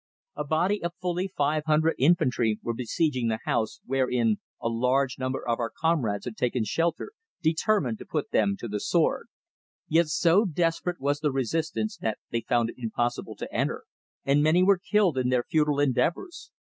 A body of fully five hundred infantry were besieging the house wherein a large number of our comrades had taken shelter, determined to put them to the sword; yet so desperate was the resistance that they found it impossible to enter, and many were killed in their futile endeavours.